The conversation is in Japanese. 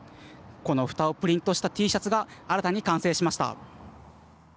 このふたをプリントしたＴシャツが新たに完成しました。